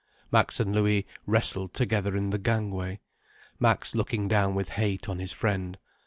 Max and Louis wrestled together in the gangway, Max looking down with hate on his friend.